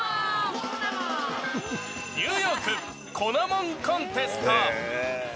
ニューヨーク粉もんコンテスト。